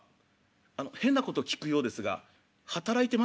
「あの変なこと聞くようですが働いてますか？」